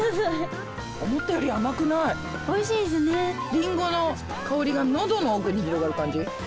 りんごの香りが喉の奥に広がる感じ。